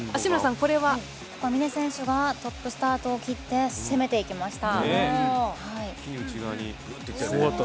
ここは峰選手がトップスタートを切って攻めていきました。